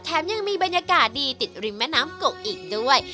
ยังมีบรรยากาศดีติดริมแม่น้ำกกอีกด้วย